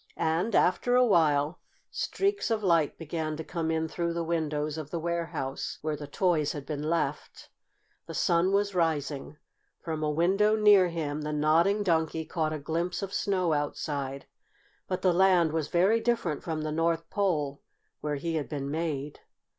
And, after a while, streaks of light began to come in through the windows of the warehouse where the toys had been left. The sun was rising. From a window near him the Nodding Donkey caught a glimpse of snow outside, but the land was very different from the North Pole where he had been made.